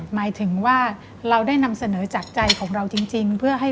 หมายถึงว่าเราได้นำเสนอจากใจของเราจริงเพื่อให้